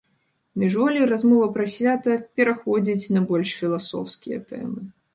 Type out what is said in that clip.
Міжволі размова пра свята пераходзіць на больш філасофскія тэмы.